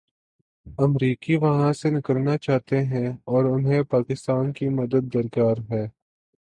امریکی وہاں سے نکلنا چاہتے ہیں اور انہیں پاکستان کی مدد درکار ہے۔